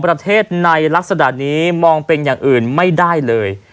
ประเทศในลักษณะนี้มองเป็นอย่างอื่นไม่ได้เลย